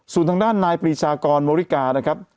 ส่วนทางด้านนายปรีชากรมอริกานะครับ